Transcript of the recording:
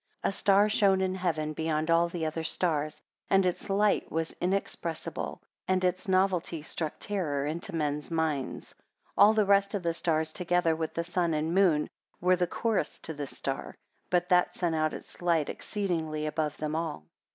A star shone in heaven beyond all the other stars, and its light was inexpressible, and its novelty struck terror into men's minds. All the rest of the stars, together with the sun and moon, were the chorus to this star; but that sent out its light exceedingly above them all.